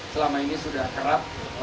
selama ini sudah kerap